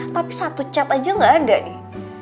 tapi satu chat aja gak ada nih